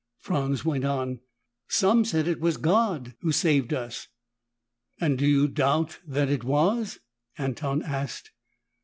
Franz went on, "Some said it was God Who saved us." "And do you doubt that it was?" Anton asked.